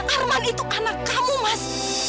arman itu anak kamu mas